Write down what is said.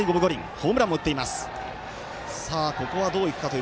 ホームランも打っています。